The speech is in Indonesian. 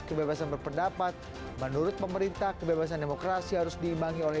kebebasan berpendapat menurut pemerintah kebebasan demokrasi harus diimbangi oleh